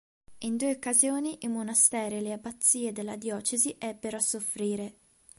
In due occasioni, i monasteri e le abbazie della diocesi ebbero a soffrire.